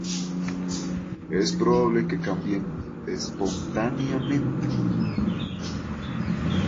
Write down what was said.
Es probable que cambien "espontáneamente".